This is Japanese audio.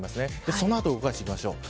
そのあと動かしていきましょう。